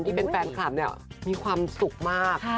ที่เป็นแฟนคลับเนี่ยมีความสุขมาก